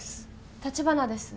立花です